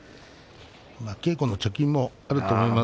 稽古の貯金もあると思います。